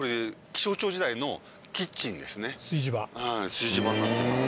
炊事場になっています。